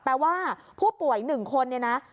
แปลว่าผู้ป่วยหนึ่งคน